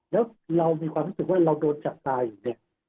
แล้วเรามีความรู้สึกว่าเราโดนจับตาอยู่เนี่ย